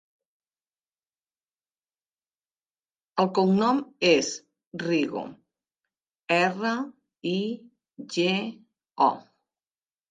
El cognom és Rigo: erra, i, ge, o.